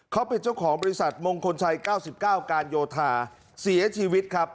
เขาเป็นเจ้าของบริษัทมงคลชัย๙๙การโยธาเสียชีวิตครับ